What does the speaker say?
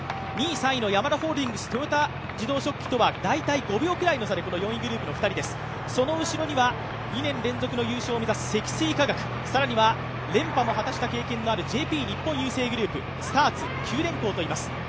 ２位、３位のヤマダホールディングス豊田自動織機とはこの４位グループの２人です、その後ろには２年連続の優勝を目指す積水化学、更には連覇も果たした経験のあるＪＰ日本郵政グループ、スターツ、九電工といます。